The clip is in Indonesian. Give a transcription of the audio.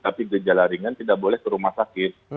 tapi gejala ringan tidak boleh ke rumah sakit